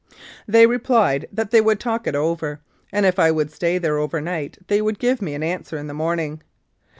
They replied that they would talk it over, and if I would Jtay there over night they would give me an answer in the morning.